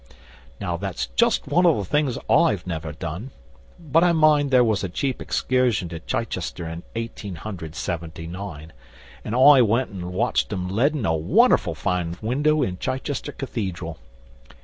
'Now that's just one of the things I've never done. But I mind there was a cheap excursion to Chichester in Eighteen hundred Seventy nine, an' I went an' watched 'em leadin' a won'erful fine window in Chichester Cathedral.